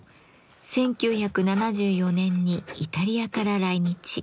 １９７４年にイタリアから来日。